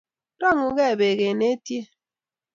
Rangu gei beek eng etiet